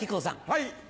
はい！